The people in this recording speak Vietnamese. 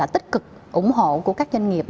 tích cực ủng hộ của các doanh nghiệp